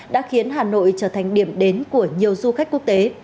đã khiến hà nội trở thành điểm đến của nhiều du khách quốc tế